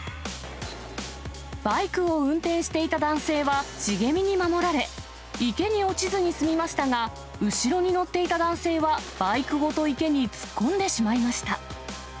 バイクを運転していた男性は茂みに守られ、池に落ちずに済みましたが、後ろに乗っていた男性はバイクごと池に突っ込んでしまいました。